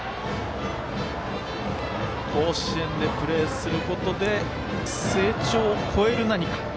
甲子園でプレーすることで成長を超える何か。